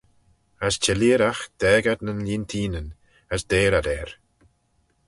As çhelleeragh daag ad nyn lieenteenyn, as deiyr ad er.